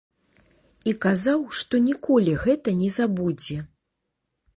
І казаў, што ніколі гэта не забудзе.